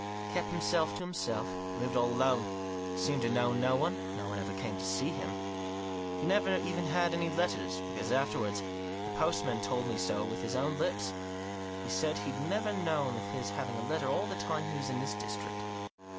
Kept himself to himself ; lived all alone ; seemed to know no one ; no one ever came to see him. He never even had any letters ; because, afterwards, the post man told me so with his own lips ; he said he'd never known of his having a letter all the time he was in this district.